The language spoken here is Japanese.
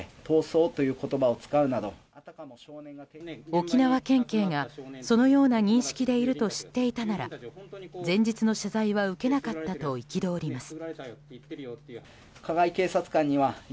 沖縄県警がそのような認識でいたと知っていたなら前日の謝罪は受けなかったと憤ります。